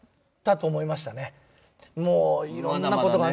もういろんなことがね。